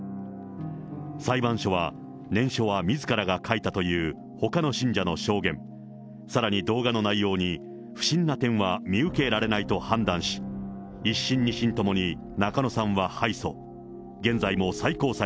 裁判所は念書はみずからが書いたというほかの信者の証言、さらに動画の内容に不審な点は見受けられないと判断し、１審、２審ともに中野さんは敗訴。